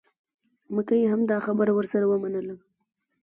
مکۍ هم دا خبره ورسره ومنله.